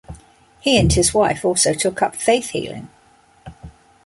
He and his wife also took up faith-healing.